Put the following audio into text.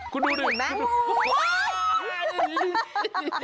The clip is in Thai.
คุณดูดิคุณเห็นไหมโอ๊ย